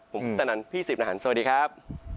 ผมตะนันพี่สิบนาหารสวัสดีครับ